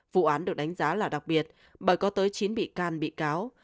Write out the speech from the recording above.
vụ án được đánh giá là đặc biệt bởi có tới chín bị can bị cáo